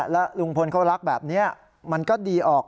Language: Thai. แล้วลุงพลเขารักแบบนี้มันก็ดีออก